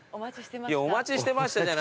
お待ちしてました。